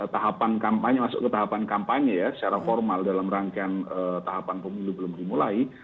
tahapan kampanye masuk ke tahapan kampanye ya secara formal dalam rangkaian tahapan pemilu belum dimulai